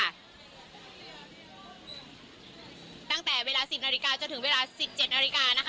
ตั้งแต่เวลาสิบนาฬิกาจนถึงเวลาสิบเจ็ดนาฬิกานะคะยังมีเวลาเหลืออีกหลายชั่วโมงนะคะ